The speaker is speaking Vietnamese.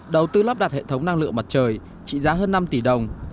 đầu tư lắp đặt hệ thống năng lượng mặt trời trị giá hơn năm tỷ đồng